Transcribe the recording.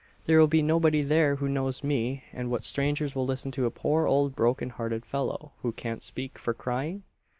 There will be nobody there who knows me; and what strangers will listen to a poor old broken hearted fellow, who can't speak for crying?"